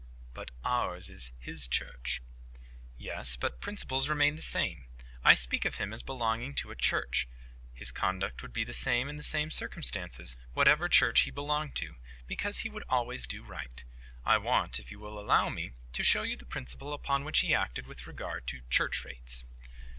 "But ours is His Church." "Yes. But principles remain the same. I speak of Him as belonging to a Church. His conduct would be the same in the same circumstances, whatever Church He belonged to, because He would always do right. I want, if you will allow me, to show you the principle upon which He acted with regard to church rates."